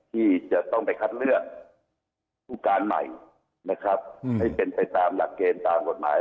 ที่จะต้องไปคัดเลือกผู้การใหม่นะครับให้เป็นไปตามหลักเกณฑ์ตามกฎหมาย